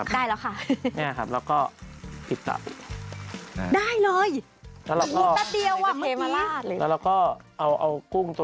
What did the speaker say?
ได้แล้วค่ะแล้วแล้วก็